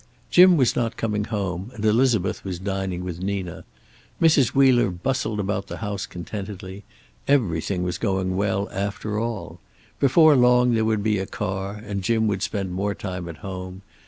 Jim was not coming home, and Elizabeth was dining with Nina. Mrs. Wheeler bustled about the house contentedly. Everything was going well, after all. Before long there would be a car, and Jim would spend more time at home.